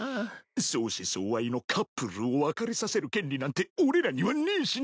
相思相愛のカップルを別れさせる権利なんて俺らにはねえしな。